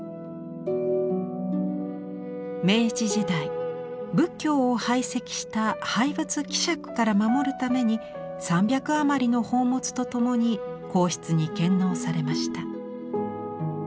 明治時代仏教を排斥した廃仏毀釈から守るために３００余りの宝物と共に皇室に献納されました。